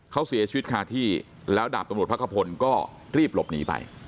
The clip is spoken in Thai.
เขาเสียชีวิตคาที่แล้วดาบตำรวจพักขพลก็รีบหลบหนีไป